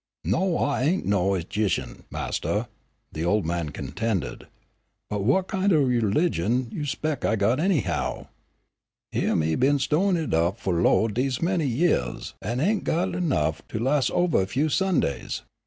"No, I ain' no 'gician, Mastah," the old man contended. "But what kin' o' u'ligion you spec' I got anyhow? Hyeah me been sto'in' it up fu' lo, dese many yeahs an' ain' got enough to las' ovah a few Sundays.